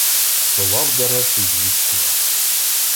Совав Даресу в ніс кулак.